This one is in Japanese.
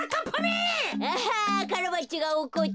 アハカラバッチョがおこった。